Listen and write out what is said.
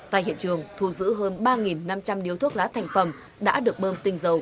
tại hiện trường thu giữ hơn ba năm trăm linh điếu thuốc lá thành phẩm đã được bơm tinh dầu